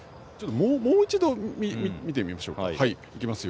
もう一度見てみましょうか。